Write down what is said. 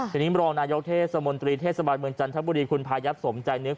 ทีนี้รองนายกเทศมนตรีเทศบาลเมืองจันทบุรีคุณพายับสมใจนึก